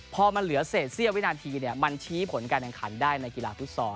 พอมันเหลือเศษเสี้ยววินาทีมันชี้ผลการแข่งขันได้ในกีฬาฟุตซอล